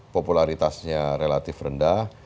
popularitasnya relatif rendah